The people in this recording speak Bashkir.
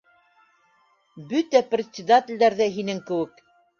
Бөтә председателдәр ҙә һинең кеүек...